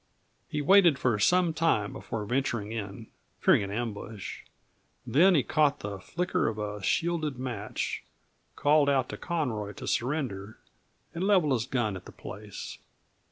He waited for some time before venturing in, fearing an ambush. Then he caught the flicker of a shielded match, called out to Conroy to surrender, and leveled his gun at the place.